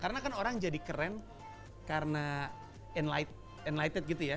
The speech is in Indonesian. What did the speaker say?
karena kan orang jadi keren karena enlightened gitu ya